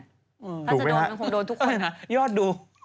ถ้าจะโดนมันคงโดนทุกคนนะยอดดู